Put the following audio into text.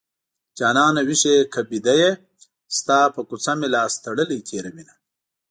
جانانه ويښ يې که ويده يې ستا په کوڅه مې لاس تړلی تېروينه